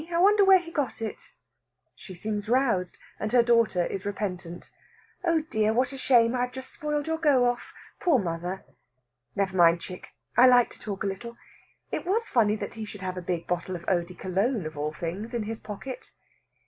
I wonder where he got it." She seems roused, and her daughter is repentant. "Oh dear! What a shame! I've just spoiled your go off. Poor mother!" "Never mind, chick! I like to talk a little. It was funny that he should have a big bottle of eau de Cologne, of all things, in his pocket."